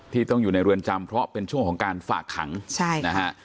ต้องอยู่ในเรือนจำเพราะเป็นช่วงของการฝากขังใช่นะฮะ